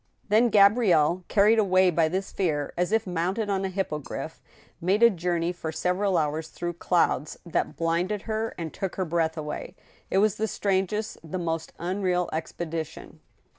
Then Gabrielle, carried away by this fear, as if mounted on a hippogriff, made a journey for several hours through clouds that blinded her and took her breath away. It was the strangest, the most unreal expedition.